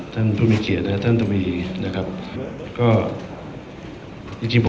ท่านผู้มีเกียรตินะครับ